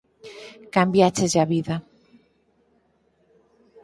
Cambiácheslle a vida.